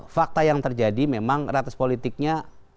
fakta yang terjadi memang ratas politiknya